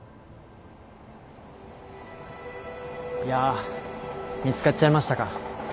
いや見つかっちゃいましたか